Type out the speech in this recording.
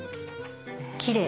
きれい。